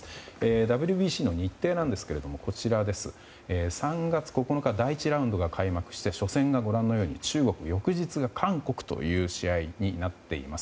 ＷＢＣの日程なんですけども３月９日に第１ラウンドが開幕して初戦がご覧のように中国翌日が韓国という試合になっています。